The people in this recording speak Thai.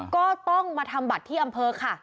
ก็ต้องมาทำบัตรที่อำเภอค่ะ